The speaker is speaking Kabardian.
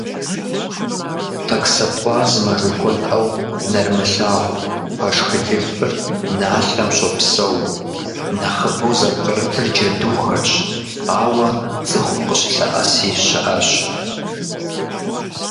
Токсоплазмэ жыхуэтӏэу нэрымылъагъу фэшх-лышхыр налъэм щопсэу, нэхъыбэу зыпкърытыр джэдухэрщ, ауэ цӏыхум къыщылъэӏэси щыӏэщ.